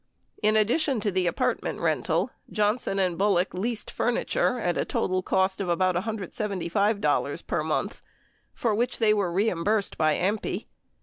In addition to the apartment rental, Johnson and Bullock leased furniture at a total cost of about $175 per month for which they were reimbursed by AMPI.